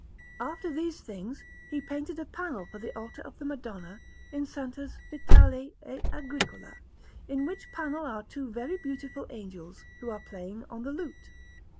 After these things he painted a panel for the altar of the Madonna in SS. Vitale e Agricola; in which panel are two very beautiful angels, who are playing on the lute.